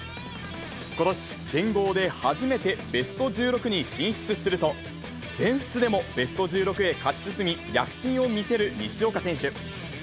ことし、全豪で初めてベスト１６に進出すると、全仏でもベスト１６へ勝ち進み、躍進を見せる西岡選手。